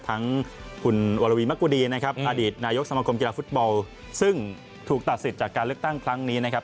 ทั้งคุณวรวีมะกุดีนะครับอดีตนายกสมคมกีฬาฟุตบอลซึ่งถูกตัดสิทธิ์จากการเลือกตั้งครั้งนี้นะครับ